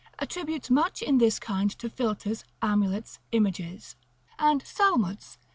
attributes much in this kind to philters, amulets, images: and Salmutz com.